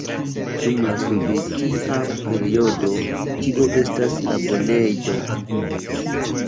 Dum la sovetia periodo tio estas la banejo.